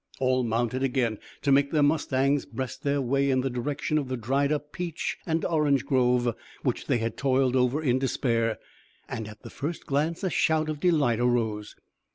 All mounted again, to make their mustangs breast their way in the direction of the dried up peach and orange grove which they had toiled over in despair, and at the first glance a shout of delight arose.